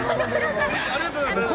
ありがとうございます。